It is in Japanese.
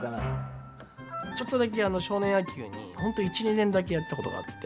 ちょっとだけ少年野球に本当１、２年だけやってたことがあって。